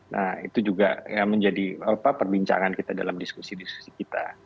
nah itu juga menjadi perbincangan kita dalam diskusi diskusi kita